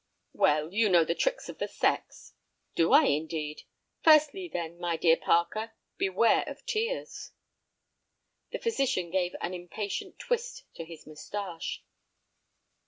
"Well, you know the tricks of the sex." "Do I, indeed! Firstly, then, my dear Parker, beware of tears." The physician gave an impatient twist to his mustache.